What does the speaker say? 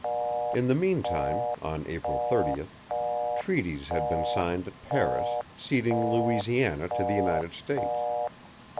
In the meantime (on April 30th), treaties had been signed at Paris, ceding Louisiana to the United States.